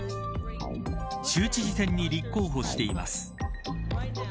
州知事選に立候補しています。